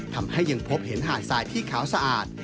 ทำให้ยังพบเห็นหาดทรายที่ขาวสะอาด